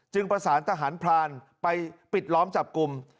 ประสานทหารพรานไปปิดล้อมจับกลุ่ม